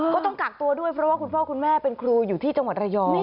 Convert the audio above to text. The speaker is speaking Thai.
ก็ต้องกักตัวด้วยเพราะว่าคุณพ่อคุณแม่เป็นครูอยู่ที่จังหวัดระยอง